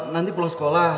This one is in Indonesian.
nanti pulang sekolah